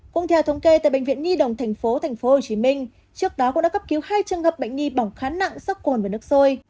cũng theo thống kê tại bệnh viện nhi đồng tp hcm trước đó cũng đã cấp cứu hai trường hợp bệnh nhi bỏng khá nặng sắc cồn và nước sôi